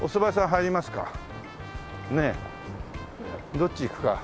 どっち行くか。